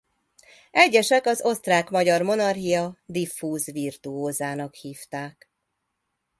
Egyesek az Osztrák–Magyar Monarchia diffúz virtuózának hívták.